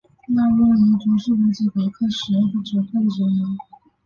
纳沃伊州是乌兹别克十二个州份之一。